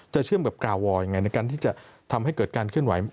เชื่อมกับกาวอร์ยังไงในการที่จะทำให้เกิดการเคลื่อนไหว